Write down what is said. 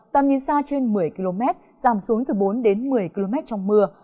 tầm nhìn xa trên một mươi km giảm xuống từ bốn đến một mươi km trong mưa